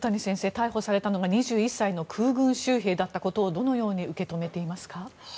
逮捕されたのが２１歳の空軍州兵だったことをどのように受け止めていますか？